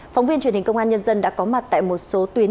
phóng viên truyền hình công an nhân dân đã có mặt tại một số tuyến